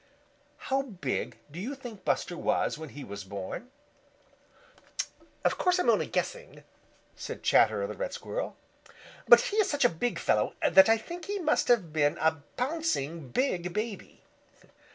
How big do you think Buster was when he was born?" "Of course I'm only guessing," said Chatterer the Red Squirrel, "but he is such a big fellow that I think he must have been a bouncing big baby."